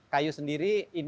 kayu sendiri ini